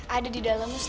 ada di dalam ustaz